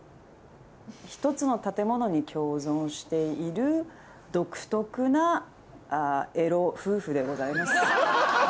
１つの建物に共存している独特なエロ夫婦でございます。